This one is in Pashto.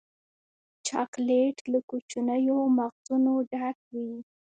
چاکلېټ له کوچنیو مغزونو ډک وي.